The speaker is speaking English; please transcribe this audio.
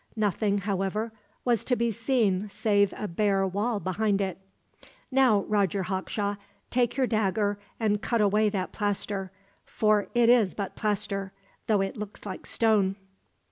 Nothing, however, was to be seen save a bare wall behind it. "Now, Roger Hawkshaw, take your dagger and cut away that plaster for it is but plaster, though it looks like stone."